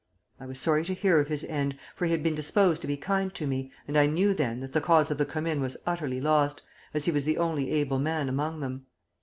I was sorry to hear of his end, for he had been disposed to be kind to me, and I knew then that the cause of the Commune was utterly lost, as he was the only able man among them.